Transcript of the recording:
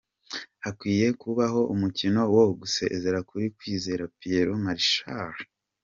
Hakwiye kubaho umukino wo gusezera kuri Kwizera Pierre Marshal.